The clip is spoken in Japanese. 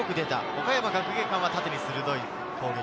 岡山学芸館は縦に鋭い攻撃。